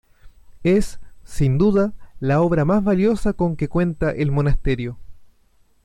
Es, sin duda, la obra más valiosa con que cuenta el monasterio.